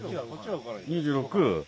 ２６。